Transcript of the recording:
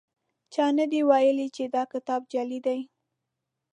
چا دا نه دي ویلي چې دا کتاب جعلي دی.